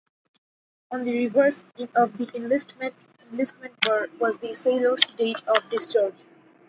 On the reverse of the enlistment bar was the sailor's date of discharge.